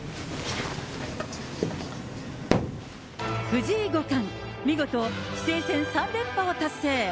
藤井五冠、見事、棋聖戦３連覇を達成。